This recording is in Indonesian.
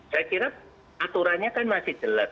saya kira aturannya kan masih jelas